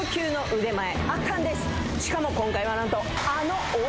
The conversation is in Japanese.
しかも今回はなんと。